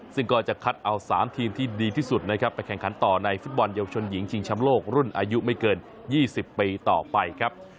ซึ่งก็จะคัดเอา๓ทีมที่ดีที่สุดนะครับไปแข่งขันต่อในฟุตบอลเยาวชนหญิงชิงชำโลกรุ่นอายุไม่เกิน๒๐ปีต่อไปครับ